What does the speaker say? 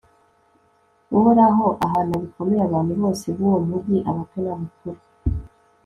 uhoraho ahana bikomeye abantu bose b'uwo mugi abato n'abakuru